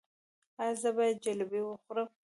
ایا زه باید جلبي وخورم؟